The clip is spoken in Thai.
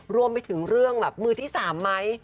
รวมไปถึงเรื่องแบบมือที่๓ไหม